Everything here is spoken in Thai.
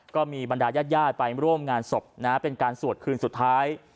บรรดายาดไปร่วมงานศพเป็นการสวดคืนสุดท้าย